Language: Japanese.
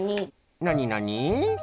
なになに？